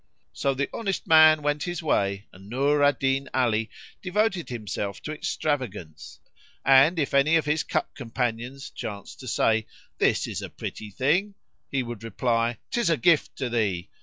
So the honest man went his way and Nur al Din Ali devoted himself to extravagance; and, if any of his cup companions chanced to say, "This is a pretty thing;" he would reply, "'Tis a gift to thee!"